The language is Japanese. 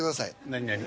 何何？